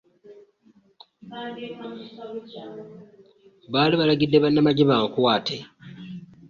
Baali balagidde bannamagye bankwate.